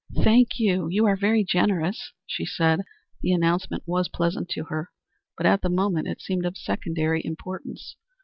"Thank you. You are very generous," she said. The announcement was pleasant to her, but at the moment it seemed of secondary importance.